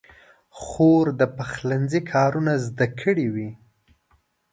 خور د پخلنځي کارونه زده کړي وي.